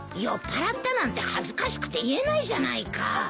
酔っぱらったなんて恥ずかしくて言えないじゃないか。